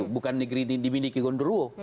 bukan negeri dimiliki gondoruo